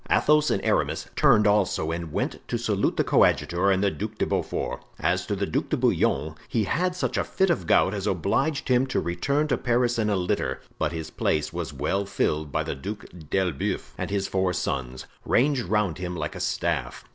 Athos and Aramis turned also and went to salute the coadjutor and the Duc de Beaufort. As to the Duc de Bouillon, he had such a fit of gout as obliged him to return to Paris in a litter; but his place was well filled by the Duc d'Elbeuf and his four sons, ranged around him like a staff.